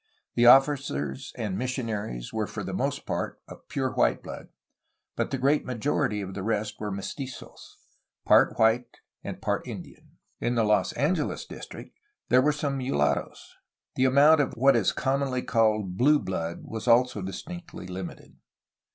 The officers and mission aries were for the most part of pure white blood, but the great majority of the rest were mestizos — part white and part Indian. In the Los Angeles district there were some mulat toes. The amount of what is commonly called "blue blood'' was also distinctly limited.